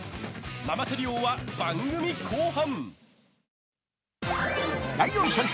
ママチャリ王は番組後半！